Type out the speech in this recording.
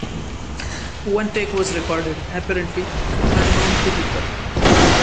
One take was recorded, apparently unknown to Hooker.